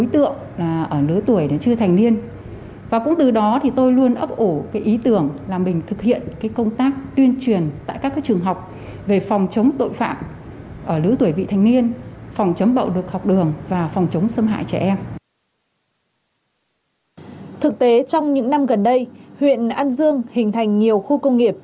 thực tế trong những năm gần đây huyện an dương hình thành nhiều khu công nghiệp